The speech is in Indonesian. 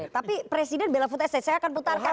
tapi presiden bela food estate saya akan pertanyaan ya